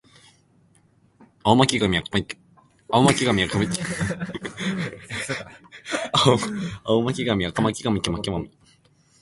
青巻紙赤巻紙黄巻紙